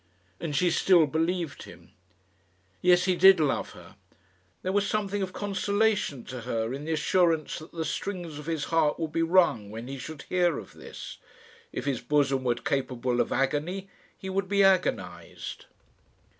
And she still believed him. Yes, he did love her. There was something of consolation to her in the assurance that the strings of his heart would be wrung when he should hear of this. If his bosom were capable of agony, he would be agonised.